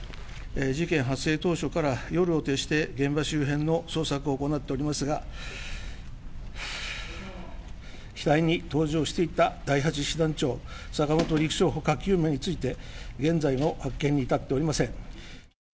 事件発生当初から、夜を徹して、現場周辺の捜索を行っておりますが、機体に搭乗していた第８師団長、坂本陸将ほか９名について、現在も発見に至っておりません。